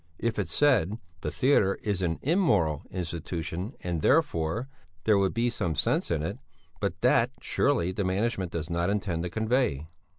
If it said: The theatre is an immoral institution and therefore ... there would be some sense in it; but that, surely, the management does not intend to convey."